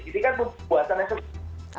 jadi kan buatan eksekutif